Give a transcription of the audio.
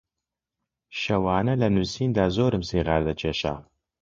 شەوانە لە نووسیندا زۆرم سیغار دەکێشا